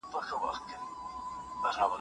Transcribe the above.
میخونه ښه پوهېږي